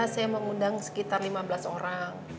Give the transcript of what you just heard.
saya mau undang sekitar lima belas orang